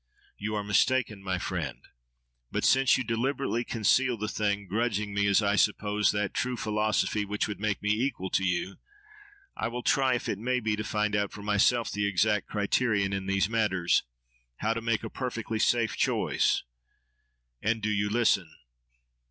—You are mistaken, my friend! But since you deliberately conceal the thing, grudging me, as I suppose, that true philosophy which would make me equal to you, I will try, if it may be, to find out for myself the exact criterion in these matters—how to make a perfectly safe choice. And, do you listen.